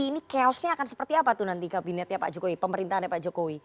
ini chaosnya akan seperti apa tuh nanti kabinetnya pak jokowi pemerintahnya pak jokowi